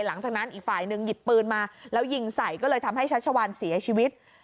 หลังจากนั้นอีกฝ่ายหนึ่งหยิบปืนมาแล้วยิงใส่ก็เลยทำให้ชัชวานเสียชีวิต